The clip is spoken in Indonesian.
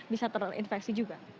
bisa terinfeksi juga